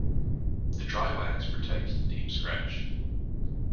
The dry wax protects the deep scratch.